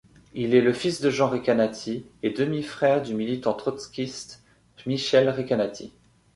Il est le fils de Jean Recanati et demi-frère du militant trotskiste Michel Recanati.